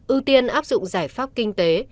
ưu tiên áp dụng giải pháp kinh tế